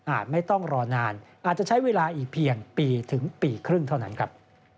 ไม่ต้องรอนานอาจจะใช้เวลาอีกเพียงปีถึงปีครึ่งเท่านั้นครับ